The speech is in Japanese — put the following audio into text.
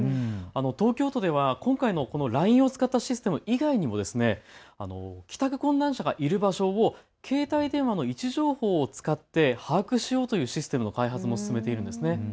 東京都では今回のＬＩＮＥを使ったシステム以外にも帰宅困難者がいる場所を携帯電話の位置情報を使って把握しようというシステムの開発を進めています。